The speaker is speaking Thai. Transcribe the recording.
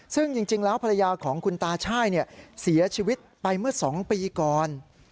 ซึ่งจริงแล้วภรรยาของคุณตาช่ายเสียชีวิตไปเมื่อ๒ปีก่อน